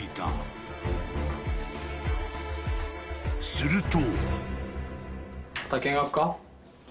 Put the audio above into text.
［すると］